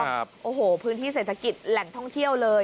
โอ้โหพื้นที่เศรษฐกิจแหล่งท่องเที่ยวเลย